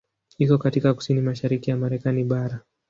Iko katika kusini mashariki ya Marekani bara.